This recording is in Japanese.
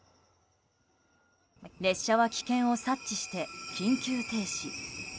列車は危険を察知して緊急停止。